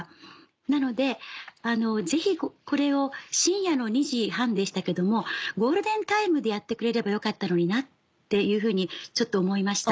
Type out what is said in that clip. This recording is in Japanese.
なのでぜひこれを深夜の２時半でしたけどもゴールデンタイムでやってくれればよかったのになっていうふうにちょっと思いました。